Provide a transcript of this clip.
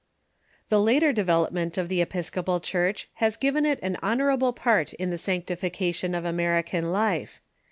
The later development of the Episcopal Church has given it an honorable part in the sanctification of American life.